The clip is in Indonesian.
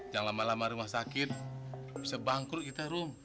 yang lama lama rumah sakit bisa bangkrut kita rum